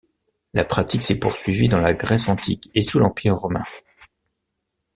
La pratique s'est poursuivie dans la Grèce antique et sous l'Empire romain.